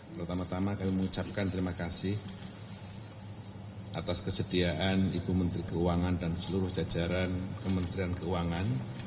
pertama tama kami mengucapkan terima kasih atas kesediaan ibu menteri keuangan dan seluruh jajaran kementerian keuangan